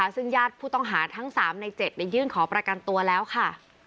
ซึ่งญาติผู้ต้องหาทั้ง๓ใน๗ยื่นขอประกันตัวแล้วค่ะ